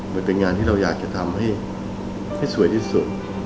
มันเป็นงานที่เราอยากจะทำให้สวยที่สุด